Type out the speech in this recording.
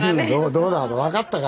「どうだ！」と「分かったか！」